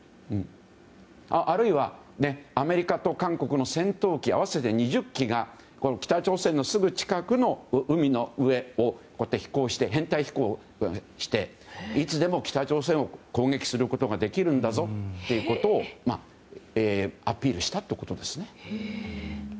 あるいは、アメリカと韓国の戦闘機合わせて２０機が北朝鮮のすぐ近くの海の上を飛行していつでも北朝鮮を攻撃することができるんだぞということをアピールしたということですね。